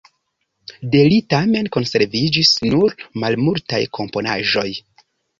De li tamen konserviĝis nur malmultaj komponaĵoj.